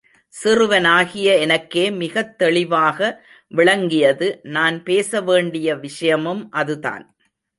சிறுவனாகிய எனக்கே மிகத் தெளிவாக விளங்கியது நான் பேச வேண்டிய விஷயமும் அதுதான்.